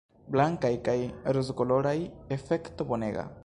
Blankaj kaj rozokoloraj, efekto bonega!